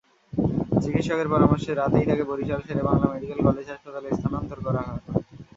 চিকিৎসকের পরামর্শে রাতেই তাঁকে বরিশাল শেরেবাংলা মেডিকেল কলেজ হাসপাতালে স্থানান্তর করা হয়।